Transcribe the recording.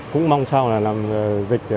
cũng mong sao là dịch